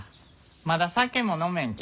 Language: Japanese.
まだ酒も飲めんき。